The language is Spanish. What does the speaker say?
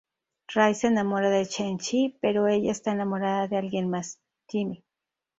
Ray se enamora de Chen Chi, pero ella está enamorada de alguien más, Jimmy.